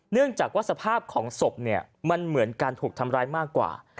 เนื่องจากว่าสภาพของศพเนี่ยมันเหมือนการถูกทำร้ายมากกว่า